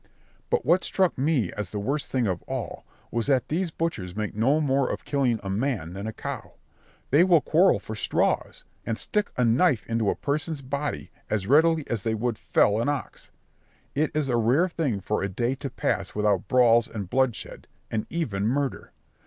But what struck me as the worst thing of all, was that these butchers make no more of killing a man than a cow. They will quarrel for straws, and stick a knife into a person's body as readily as they would fell an ox. It is a rare thing for a day to pass without brawls and bloodshed, and even murder.